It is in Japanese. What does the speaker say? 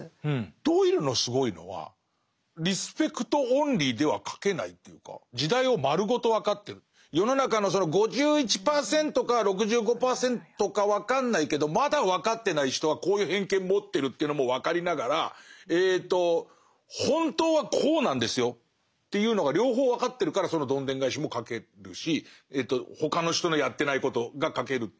ドイルのすごいのは世の中のその５１％か６５％か分かんないけどまだ分かってない人はこういう偏見持ってるというのも分かりながら「本当はこうなんですよ」というのが両方分かってるからそのどんでん返しも書けるし他の人のやってないことが書けるという気がして。